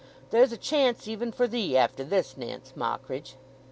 There's a chance even for thee after this, Nance Mockridge."